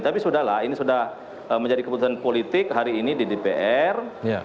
tapi sudah lah ini sudah menjadi keputusan politik hari ini di dpr